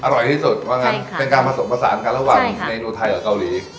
อร่อยที่สุดว่างั้นเป็นการผสมผสานกันระหว่างเมนูไทยกับเกาหลี